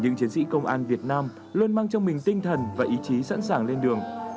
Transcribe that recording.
những chiến sĩ công an việt nam luôn mang trong mình tinh thần và ý chí sẵn sàng lên đường